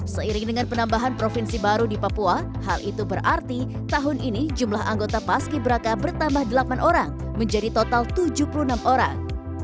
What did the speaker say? seiring dengan penambahan provinsi baru di papua hal itu berarti tahun ini jumlah anggota paski beraka bertambah delapan orang menjadi total tujuh puluh enam orang